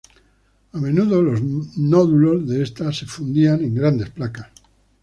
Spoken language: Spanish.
A menudo los nódulos de esta se fundían en grandes placas.